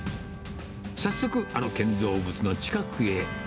早速あの建造物の近くへ。